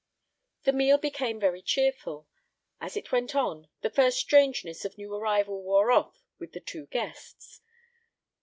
The meal became very cheerful: as it went on, the first strangeness of new arrival wore off with the two guests.